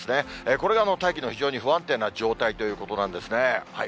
これが大気の非常に不安定な状態ということなんですね。